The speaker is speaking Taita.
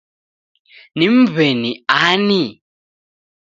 Ni mweni ani?